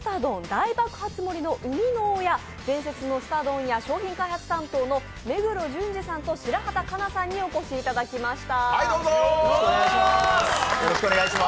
大爆発盛りの生みの親、伝説のすた丼屋、商品開発担当の目黒淳二さんと、白旗華奈さんにお越しいただきました。